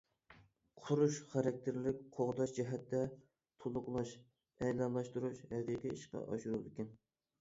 قۇرۇش خاراكتېرلىك قوغداش جەھەتتە،« تولۇقلاش، ئەلالاشتۇرۇش» ھەقىقىي ئىشقا ئاشۇرۇلىدىكەن.